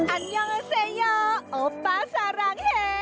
อันยองเฮ้เซโยโอป้าสารางเฮ